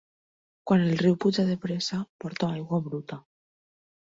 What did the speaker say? Quan el riu puja de pressa porta aigua bruta.